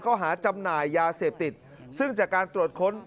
หาจำหน่ายยาเสพติดซึ่งจากการตรวจค้น